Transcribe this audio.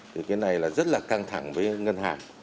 thì cái này là rất là căng thẳng với ngân hàng